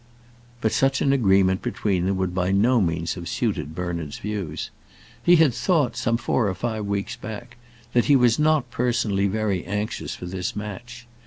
But such an agreement between them would by no means have suited Bernard's views. He had thought, some four or five weeks back, that he was not personally very anxious for this match.